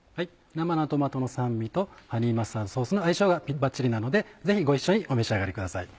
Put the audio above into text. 生のトマトの酸味とハニーマスタードソースの相性がバッチリなのでぜひご一緒にお召し上がりください。